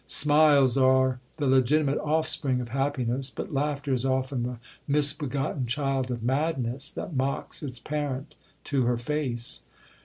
Smiles are the legitimate offspring of happiness, but laughter is often the misbegotten child of madness, that mocks its parent to her face.